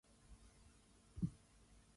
我所看待的自由與未來